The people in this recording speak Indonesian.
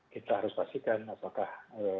kita harus pastikan apakah